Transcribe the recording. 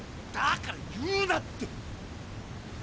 だから言うなって！